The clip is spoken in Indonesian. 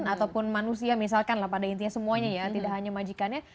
ataupun manusia misalkan lah pada intinya semuanya ya tidak hanya majikannya